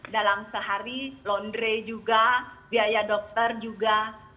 dalam sehari laundry juga biaya dokter juga